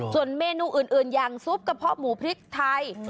ส่วนเมนูอื่นอย่างซุปกระเพาะหมูพริกไทย